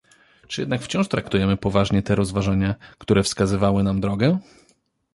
Czy jednak wciąż traktujemy poważnie te rozważania, które wskazywały nam drogę?